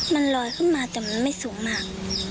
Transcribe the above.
มันลอยขึ้นมาแต่มันไม่สูงมาก